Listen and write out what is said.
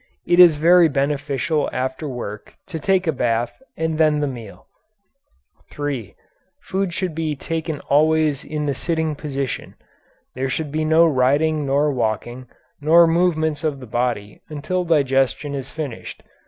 It is very beneficial after work to take a bath and then the meal. 3. Food should be taken always in the sitting position. There should be no riding nor walking, nor movements of the body until digestion is finished.